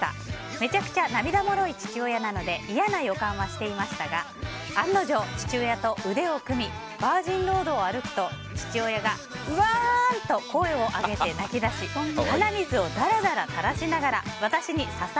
めちゃくちゃ涙もろい父親なので嫌な予感はしていましたが案の定、父親と腕を組みバージンロードを歩くと、父親がうわーんと声を上げて泣き出しきたきた！